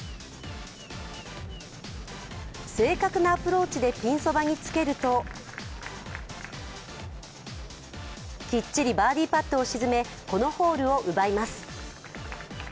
正確なアプローチでピンそばにつけるときっちりバーディーパットを沈めこのホールを奪います。